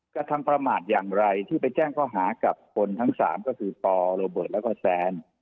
กระทำประมาทอย่างไรที่ไปแจ้งข้อหากับคนทั้ง๓ก็คือปอโรเบิร์ตแล้วก็แซน